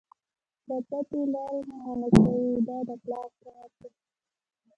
له بدې لارې مو منع کوي دا د پلار کار دی.